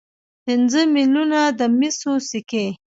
پنځه میلیونه د مسو سکې.